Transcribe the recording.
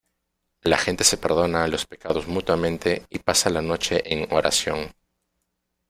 La gente se perdona los pecados mutuamente y pasa la noche en oración.